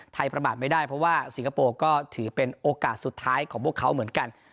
ประมาทไม่ได้เพราะว่าสิงคโปร์ก็ถือเป็นโอกาสสุดท้ายของพวกเขาเหมือนกัน